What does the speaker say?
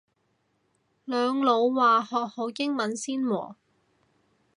兩老話學好英文先喎